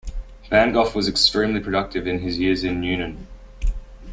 Van Gogh was extremely productive in his years in Nuenen.